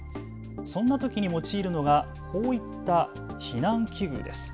そんなときに用いるのがこういった避難器具です。